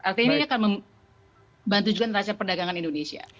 artinya ini akan membantu juga neraca perdagangan indonesia